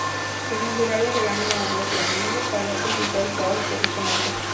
El funcionario regaña a Doflamingo por no completar el trabajo correctamente.